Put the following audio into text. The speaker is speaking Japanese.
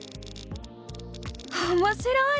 おもしろい！